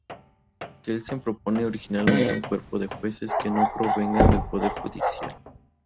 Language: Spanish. Kelsen propone originalmente un cuerpo de jueces que no provengan del poder judicial.